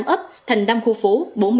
hai mươi tám ấp thành năm khu phố